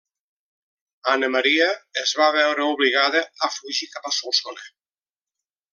Anna Maria es va veure obligada a fugir cap a Solsona.